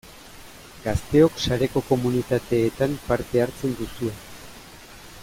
Gazteok sareko komunitateetan parte hartzen duzue.